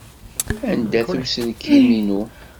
Anda-t uselkim-inu?